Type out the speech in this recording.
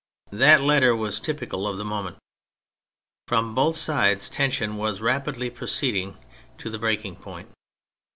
That letter was typical of the moment. From both sides tension was rapidly proceeding to the breaking point.